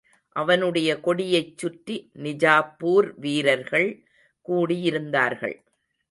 அவனுடைய கொடியைச்சுற்றி, நிஜாப்பூர் வீரர்கள் கூடியிருந்தார்கள்.